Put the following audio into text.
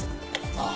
ああ。